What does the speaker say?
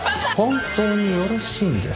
本当によろしいんですか？